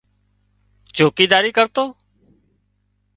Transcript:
چوڪيداري ڪرتو